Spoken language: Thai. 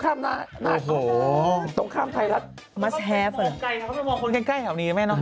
เขาไปมองคนใกล้เขาไปมองคนใกล้แถวนี้ไหมเนอะ